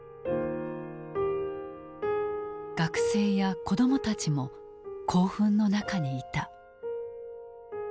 学生や子供たちも興奮の中にいた。